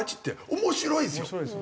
面白いですよね。